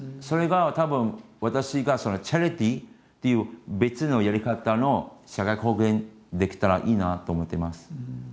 それがたぶん私がチャリティーっていう別のやり方の社会貢献できたらいいなと思っています。